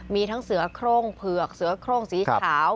มีทั้งเสือโครงเผือกเสือโครงสีขาว